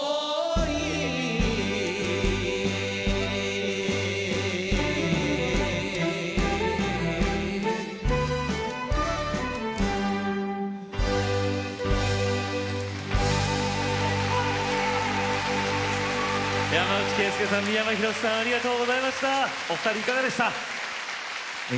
お二人、いかがでしたか？